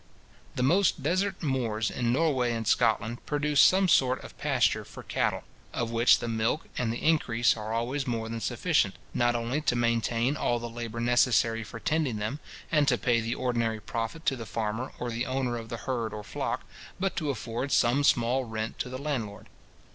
The most desert moors in Norway and Scotland produce some sort of pasture for cattle, of which the milk and the increase are always more than sufficient, not only to maintain all the labour necessary for tending them, and to pay the ordinary profit to the farmer or the owner of the herd or flock, but to afford some small rent to the landlord.